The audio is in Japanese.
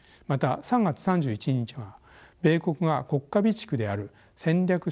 また３月３１日には米国が国家備蓄である戦略